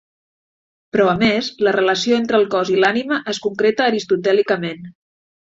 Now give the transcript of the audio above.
Però a més, la relació entre el cos i l'ànima es concreta aristotèlicament.